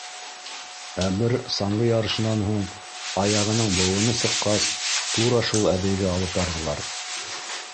Ә бер саңғы ярышынан һуң аяғының быуыны сыҡҡас, тура шул әбейгә алып барҙылар.